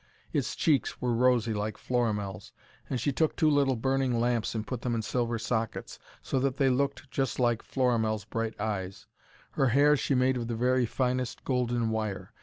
Its cheeks were rosy, like Florimell's, and she took two little burning lamps and put them in silver sockets, so that they looked just like Florimell's bright eyes. Her hair she made of the very finest golden wire.